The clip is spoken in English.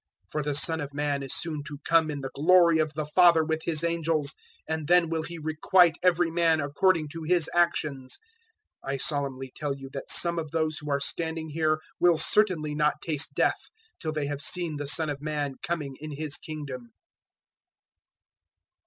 016:027 For the Son of Man is soon to come in the glory of the Father with His angels, and then will He requite every man according to his actions. 016:028 I solemnly tell you that some of those who are standing here will certainly not taste death till they have seen the Son of Man coming in His Kingdom."